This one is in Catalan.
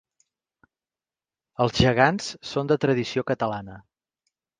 Els gegants són de tradició catalana.